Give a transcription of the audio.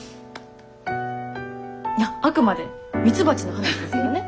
あっあくまでミツバチの話ですけどね。